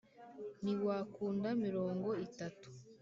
ntiwakunda mirongo itatu.